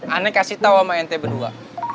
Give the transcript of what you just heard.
anak kasih tau sama nt benua